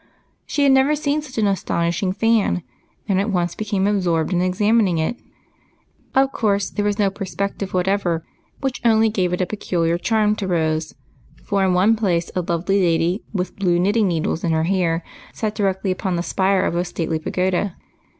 She had never seen such an astonishing fan, and at once became absorbed in examining it. Of course, there was no perspective whatever, which only gave 80 EIGHT COUSINS. it a peculiar charm to Rose, for in one place a lovely lady, with blue knitting needles in her hair, sat di rectly upon the spire of a stately pagoda.